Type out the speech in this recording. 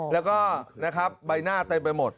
แล้วก็นะครับใบหน้าเต็มไปหมด